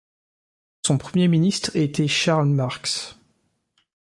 Son Premier ministre était Charles Marx.